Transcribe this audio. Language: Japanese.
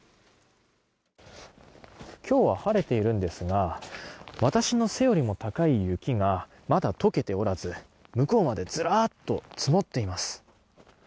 今日は晴れているんですが私の背よりも高い雪がまだ解けておらず向こうまでずらっと積もっています。